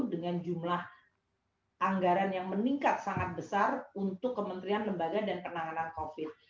dengan jumlah anggaran yang meningkat sangat besar untuk kementerian lembaga dan penanganan covid